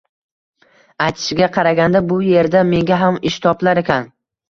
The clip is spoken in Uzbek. Aytishiga qaraganda, bu erda menga ham ish topilarkan